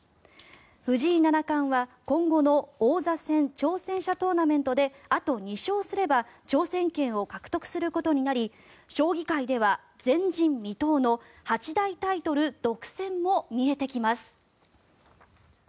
藤井七冠は今後の王座戦挑戦者トーナメントであと２勝すれば挑戦権を獲得することになり将棋界では前人未到の八大タイトル独占も見えてきます。